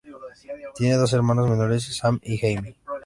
Tiene dos hermanos menores, Sam y Jamie.